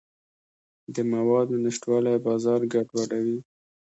د موادو نشتوالی بازار ګډوډوي.